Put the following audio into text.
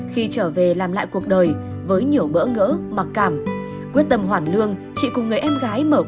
khi trở về làm lại cuộc đời với nhiều bỡ ngỡ mặc cảm quyết tâm hoản lương chị cùng người em gái mở quán phở gà